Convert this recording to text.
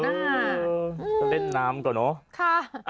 เออจะเล่นน้ำก่อนเนอะค่ะ